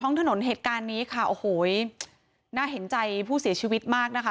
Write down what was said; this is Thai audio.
ท้องถนนเหตุการณ์นี้ค่ะโอ้โหน่าเห็นใจผู้เสียชีวิตมากนะคะ